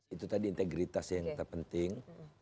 itu tadi integritas yang terpenting